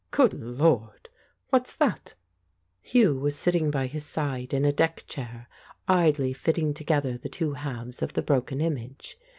Good Lord ! what's that ?" Hugh was sitting by his side in a deck chair, idly fitting together the two halves of the broken image.